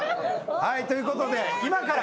はいということで今から。